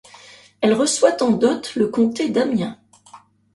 Elle reçoit en dot le comté d'Amiens.